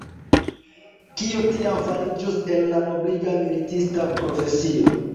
Kio tiam fariĝus el la nobliga militista profesio?